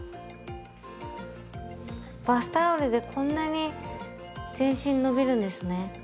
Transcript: バスタオルでこんなに全身伸びるんですね。